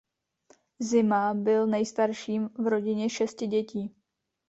Zima byl nejstarším v rodině šesti dětí.